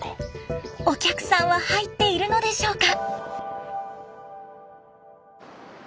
お客さんは入っているのでしょうか？